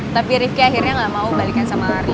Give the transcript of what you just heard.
tapi rivki akhirnya gak mau balikan sama arin